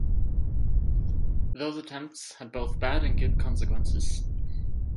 Those attempts had both bad and good consequences.